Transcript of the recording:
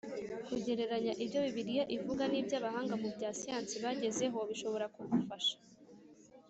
Kugereranya ibyo Bibiliya ivuga n’ibyo abahanga mu bya siyansi bagezeho bishobora kugufasha